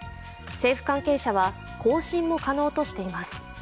政府関係者は、更新も可能としています。